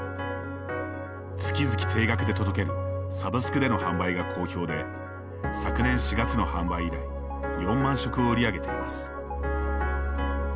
月々定額で届けるサブスクでの販売が好評で昨年４月の販売以来４万食を売り上げています。